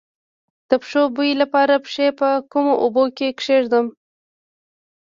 د پښو د بوی لپاره پښې په کومو اوبو کې کیږدم؟